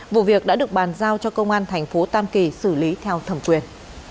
vụ việc đã được bàn giao cho công an thành phố tam kỳ xử lý theo thẩm quyền